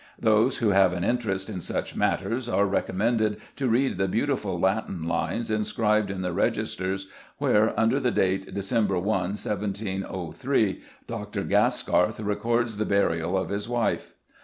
Those who have an interest in such matters are recommended to read the beautiful Latin lines inscribed in the registers where, under the date Dec. 1, 1703, Dr. Gaskarth records the burial of his wife.